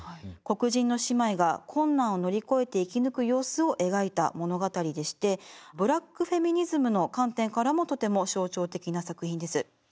黒人の姉妹が困難を乗り越えて生き抜く様子を描いた物語でしてブラック・フェミニズムの観点からもとても象徴的な作品です。